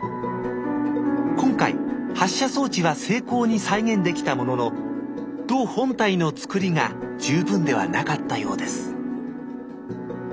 今回発射装置は精巧に再現できたものの弩本体のつくりが十分ではなかったようです